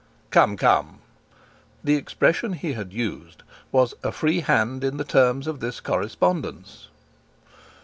"Come, come!" The expression he had used was "a free hand in the terms of this correspondence."